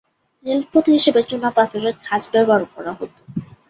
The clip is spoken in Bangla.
রেলপথ হিসেবে চুনাপাথরের খাঁজ ব্যবহার করা হতো।